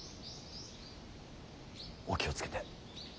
お気を付けて。